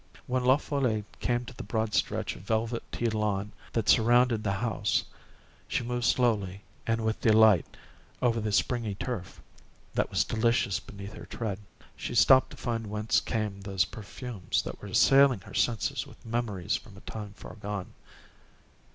When La Folle came to the broad stretch of velvety lawn that surrounded the house, she moved slowly and with delight over the springy turf, that was delicious beneath her tread. She stopped to find whence came those perfumes that were assailing her senses with memories from a time far gone.